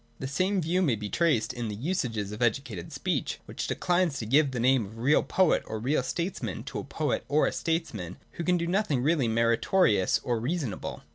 The same view may be traced in the usages of educated speech, which declines to give the name of real poet or real statesman to a poet or a statesman who can do nothing really meritorious or reasonable.